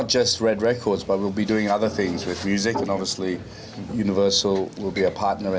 jadi kita akan menerbangan musik dengan cara besar